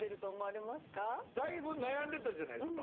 だいぶ悩んでたじゃないですか。